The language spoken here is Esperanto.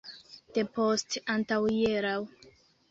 Depost antaŭhieraŭ.